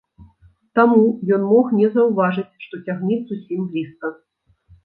Таму ён мог не заўважыць, што цягнік зусім блізка.